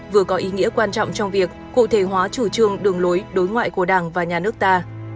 vừa có ý nghĩa quan trọng trong việc cụ thể hóa chủ trương đường lối đối ngoại của đảng và nhà nước ta